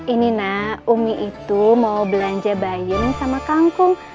ini nak umi itu mau belanja bayem sama kangkung